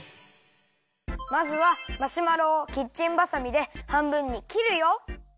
まずはマシュマロをキッチンばさみではんぶんにきるよ。